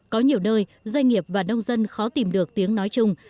có nhiều nơi doanh nghiệp và nông dân khó tìm được tiếng nói chung